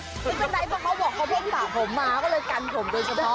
ไม่เป็นไรเพราะเขาบอกเขาเพิ่งสระผมมาก็เลยกันผมโดยเฉพาะ